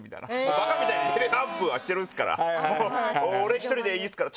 バカみたいにレベルアップはしているっすから俺１人でいいっすから。